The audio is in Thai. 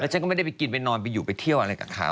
ฉันก็ไม่ได้ไปกินไปนอนไปอยู่ไปเที่ยวอะไรกับเขา